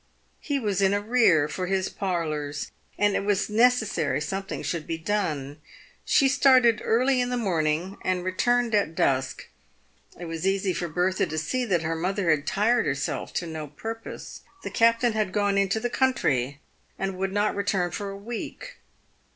He was in arrear for his parlours, and it was necessary something should be done. She started early in the morning and returned at dusk. It was easy for Bertha to see that her mother had tired herself to no purpose. The captain had gone into the country and would not re turn for a week.